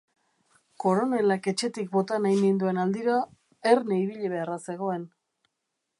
Koronelak etxetik bota nahi ninduen aldiro, erne ibili beharra zegoen.